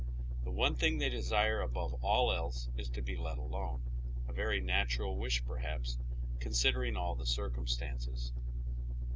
The one thing they desire above all is to be let alone, a very nat ural wish perhaps, considering all the circumstances.